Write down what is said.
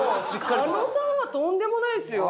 狩野さんはとんでもないですよ。